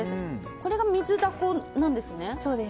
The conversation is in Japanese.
これが水ダコなんですね。